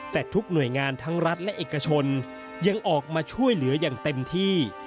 แต่ทุกหน่วยงานทั้งรัฐและเอกชนยังออกมาช่วยเหลืออย่างเต็มที่